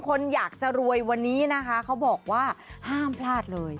คนอยากจะรวยวันนี้นะคะเขาบอกว่าห้ามพลาดเลย